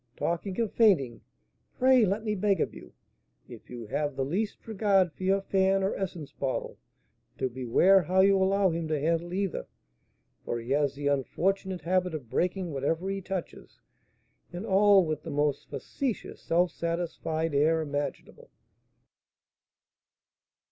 Talking of fainting, pray let me beg of you, if you have the least regard for your fan or essence bottle, to beware how you allow him to handle either, for he has the unfortunate habit of breaking whatever he touches, and all with the most facetious self satisfied air imaginable."